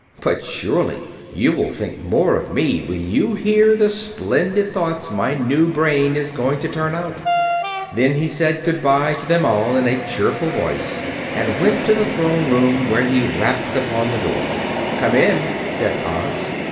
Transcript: "But surely you will think more of me when you hear the splendid thoughts my new brain is going to turn out." Then he said good bye to them all in a cheerful voice and went to the Throne Room, where he rapped upon the door. "Come in," said Oz.